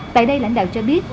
tại đây lãnh đạo cho biết